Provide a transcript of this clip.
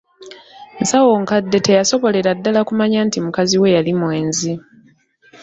Nsawonkadde teyasobolera ddala kumanya nti mukazi we yali mwenzi.